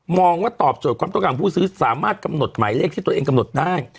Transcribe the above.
ว่าตอบโจทย์ความต้องการของผู้ซื้อสามารถกำหนดหมายเลขที่ตัวเองกำหนดได้